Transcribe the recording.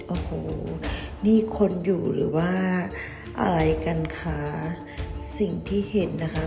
โอ้โหนี่คนอยู่หรือว่าอะไรกันคะสิ่งที่เห็นนะคะ